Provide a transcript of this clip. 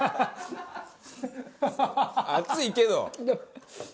熱いけど！